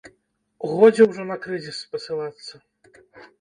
Годзе ўжо на крызіс спасылацца.